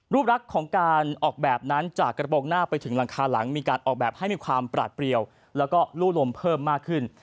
รูปรักของการออกแบบนั้นจากกระโปรงหน้าไปถึงหลังคาหลังมีการออกแบบให้มีความปราดเปรียวแล้วก็ลู่ลมเพิ่มมากขึ้น